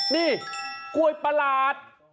นี่กล้วยประหลาด